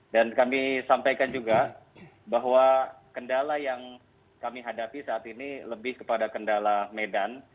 dan kami sampaikan juga bahwa kendala yang kami hadapi saat ini lebih kepada kendala medan